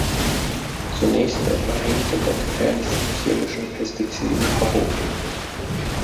Zunächst werden einige der gefährlichsten chemischen Pestizide verboten.